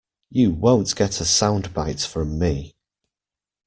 You won’t get a soundbite from me.